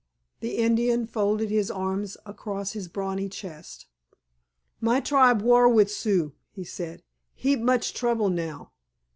The Indian folded his arms across his brawny chest. "My tribe war with Sioux," he said. "Heap much trouble now.